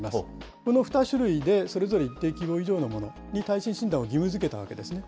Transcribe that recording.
この２種類でそれぞれ一定規模以上のものに耐震診断を義務づけたわけですね。